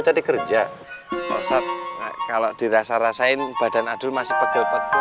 cari kerja kalau dirasa rasain badan adul masih pegel potpo